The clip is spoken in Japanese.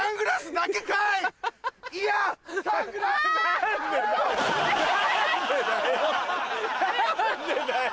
何でだよ！